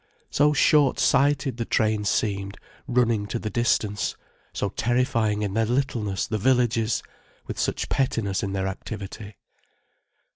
So shortsighted the train seemed, running to the distance, so terrifying in their littleness the villages, with such pettiness in their activity.